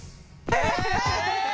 え？